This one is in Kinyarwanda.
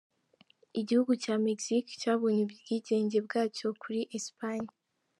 Igihugu cya Mexique cyabonye ubwigenge bwacyo kuri Espagne.